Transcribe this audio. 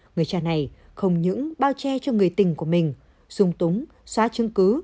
người cha này không những bao che cho người tình của mình sung túng xóa chứng cứ